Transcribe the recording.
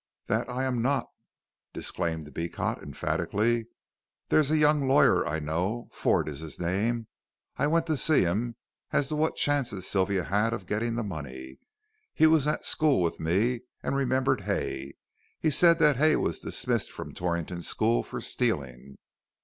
"That I am not," disclaimed Beecot, emphatically; "there's a young lawyer I know, Ford is his name. I went to see him as to what chances Sylvia had of getting the money. He was at school with me, and remembered Hay. He said that Hay was dismissed from Torrington School for stealing."